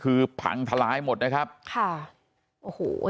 คือพังทลายหมดนะครับค่ะโอ้โห